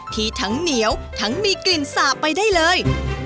ที่ทั้งเหนียวทั้งมีกลิ่นสาบไปได้เลย